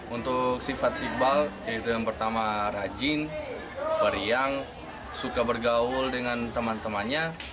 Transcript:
untuk sifat iqbal yaitu yang pertama rajin periang suka bergaul dengan teman temannya